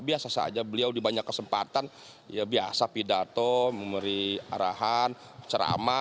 biasa saja beliau di banyak kesempatan ya biasa pidato memberi arahan ceramah